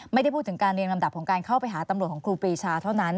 ไม่ได้พูดถึงการเรียงลำดับของการเข้าไปหาตำรวจของครูปรีชาเท่านั้น